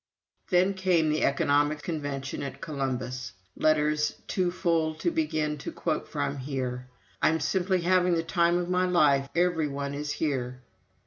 Then came the Economic Convention at Columbus letters too full to begin to quote from them. "I'm simply having the time of my life ... every one is here."